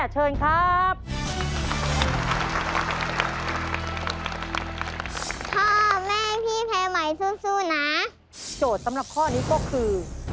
โจทย์สำหรับข้อนี้ก็คือ